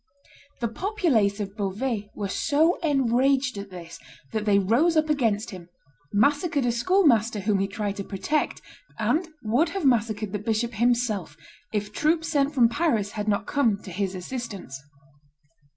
The populace of Beauvais were so enraged at this that they rose up against him, massacred a schoolmaster whom he tried to protect, and would have massacred the bishop himself if troops sent from Paris had not come to his assistance.